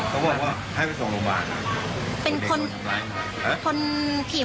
เขาบอกว่าให้ไปส่งไปโรงพยาบาลมอเตอร์ไซค์